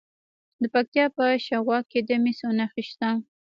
د پکتیا په شواک کې د مسو نښې شته.